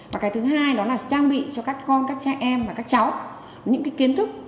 và cái thứ hai đó là trang bị cho các con các cha em và các cháu những cái kiến thức